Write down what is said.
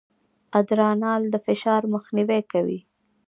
ادرانال د فشار مخنیوی کوي.